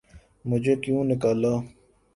'مجھے کیوں نکالا؟